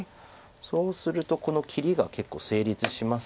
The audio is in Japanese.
そうするとこの切りが結構成立しますので。